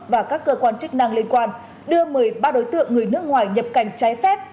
và các cơ quan chức năng liên quan đưa một mươi ba đối tượng người nước ngoài nhập cảnh trái phép